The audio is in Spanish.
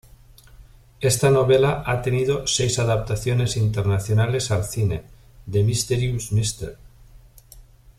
Esta novela ha tenido seis adaptaciones internacionales al cine: "The Mysterious Mr.